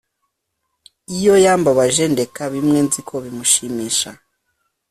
iyo yambabaje ndeka bimwe nziko bimushimisha